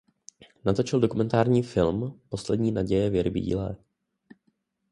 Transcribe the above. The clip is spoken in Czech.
Natočil dokumentární film Poslední naděje Věry Bílé.